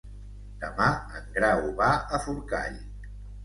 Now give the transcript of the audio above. Demà en Grau va a Forcall.